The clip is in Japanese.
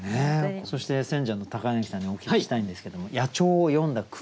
そして選者の柳さんにお聞きしたいんですけども野鳥を詠んだ句